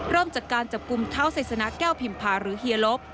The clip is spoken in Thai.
เริ่มจากการจับกลุ่มเท้าไซสนะแก้วพิมพาหรือเฮียลบ